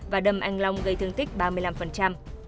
và đâm anh long gây thương tích ba mươi năm